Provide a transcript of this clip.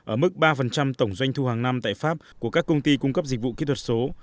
ở mức ba tổng doanh thu hàng năm tại pháp của các công ty cung cấp dịch vụ kỹ thuật số